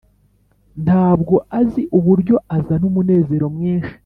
ntabwo azi uburyo azana umunezero mwinshi.